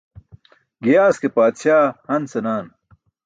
Giyaas ke paatśaa han senaan.